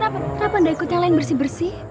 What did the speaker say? kenapa anda ikut yang lain bersih bersih